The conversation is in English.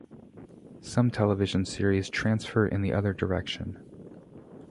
Some television series transfer in the other direction.